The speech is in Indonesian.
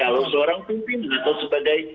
kalau seorang pimpinan atau sebagai